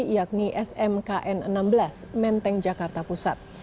yakni smkn enam belas menteng jakarta pusat